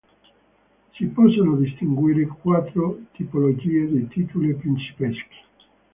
Si possono distinguere quattro tipologie di titoli principeschi.